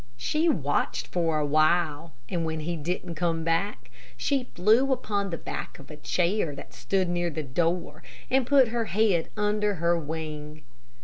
She watched for a while, and when he didn't come back, she flew upon the back of a chair that stood near the door, and put her head under her wing.